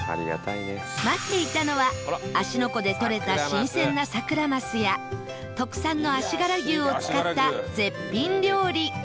待っていたのは芦ノ湖で取れた新鮮な桜マスや特産の足柄牛を使った絶品料理